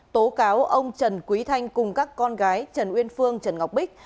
tố cáo ông trần quý thanh cùng các con gái trần uyên phương trần ngọc bích